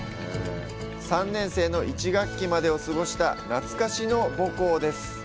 ３年生の１学期までを過ごした懐かしの母校です。